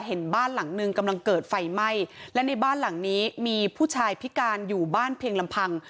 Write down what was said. เห็นบ้านหลังนึงกำลังเกิดไฟไหม้และในบ้านหลังนี้มีผู้ชายพิการอยู่บ้านเพียงลำพัง